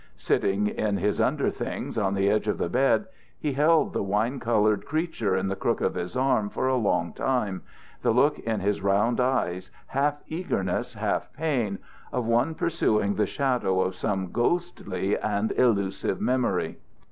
Sitting in his underthings on the edge of the bed, he held the wine coloured creature in the crook of his arm for a long time, the look in his round eyes, half eagerness, half pain, of one pursuing the shadow of some ghostly and elusive memory.